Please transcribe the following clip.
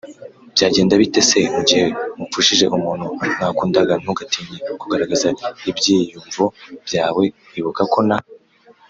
Byagenda bite se mu gihe mupfushije umuntu mwakundaga Ntugatinye kugaragaza ibyiyumvo byawe Ibuka ko na